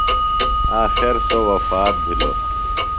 آخر سوۡ وفات بھِلوۡ.